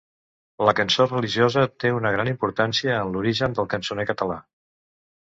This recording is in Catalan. La cançó religiosa té una gran importància en l'origen del cançoner català.